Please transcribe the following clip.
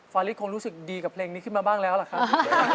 าริสคงรู้สึกดีกับเพลงนี้ขึ้นมาบ้างแล้วล่ะครับ